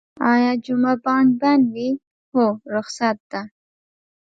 ایا جمعه بانک بند وی؟ هو، رخصت ده